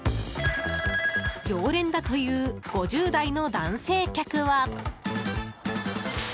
常連だという５０代の男性客は。